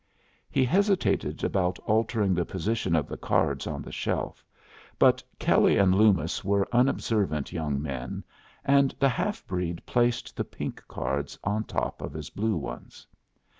He hesitated about altering the position of the cards on the shelf, but Kelley and Loomis were unobservant young men, and the half breed placed the pink cards on top of his blue ones.